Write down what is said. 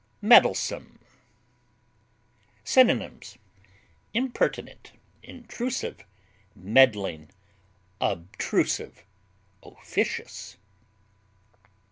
MEDDLESOME. Synonyms: impertinent, intrusive, meddling, obtrusive, officious.